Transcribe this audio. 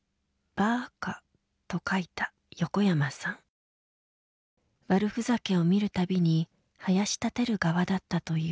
悪ふざけを見るたびにはやしたてる側だったという。